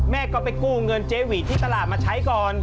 แม่ก็ไปกู้เงินเจ๊หวีที่ตลาดมาใช้ก่อน